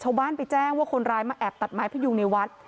ชาวบ้านไปแจ้งว่าคนร้ายมาแอบตัดไม้พยุงในวัด